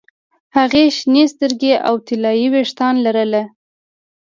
هغې شنې سترګې او طلايي ویښتان لرل